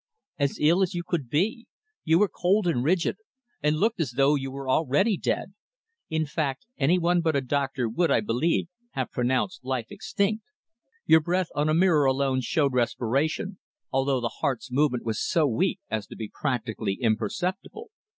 "As ill as you could be. You were cold and rigid, and looked as though you were already dead. In fact, any one but a doctor would, I believe, have pronounced life extinct. Your breath on a mirror alone showed respiration, although the heart's movement was so weak as to be practically imperceptible.